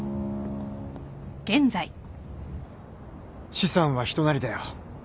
資産は人なりだよ。